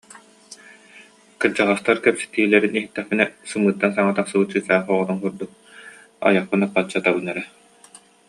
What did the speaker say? Кырдьаҕастар кэпсэтиилэрин иһиттэхпинэ, сымыыттан саҥа тахсыбыт чыычаах оҕотун курдук, айахпын аппаччы атабын эрэ